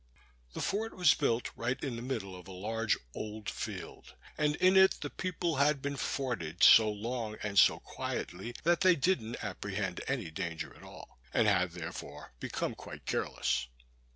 The fort was built right in the middle of a large old field, and in it the people had been forted so long and so quietly, that they didn't apprehend any danger at all, and had, therefore, become quite careless.